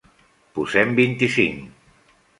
Posem vint-i-cinc.